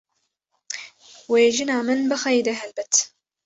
Wê jina min bixeyde helbet.